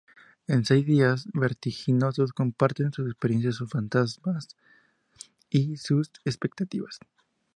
En seis días vertiginosos comparten sus experiencias, sus fantasmas y sus expectativas.